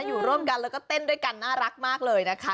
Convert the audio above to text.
อยู่ร่วมกันแล้วก็เต้นด้วยกันน่ารักมากเลยนะคะ